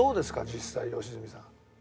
実際良純さん。